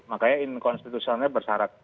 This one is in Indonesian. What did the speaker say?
makanya in konstitusionalnya bersyarat